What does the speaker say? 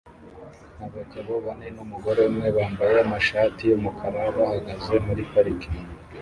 Abagabo bane numugore umwe bambaye amashati yumukara bahagaze muri parike